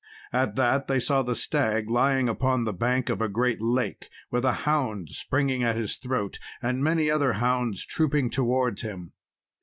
At that they saw the stag lying upon the bank of a great lake, with a hound springing at his throat, and many other hounds trooping towards him.